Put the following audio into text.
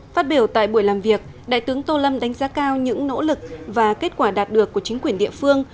phát biểu tại buổi làm việc đại tướng tô lâm đánh giá cao những nỗ lực và kết quả đạt được của chính quyền địa phương